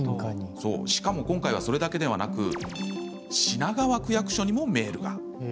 しかも今回は、それだけではなく品川区役所にもメールが。